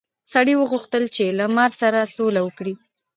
سړي وغوښتل چې له مار سره سوله وکړي.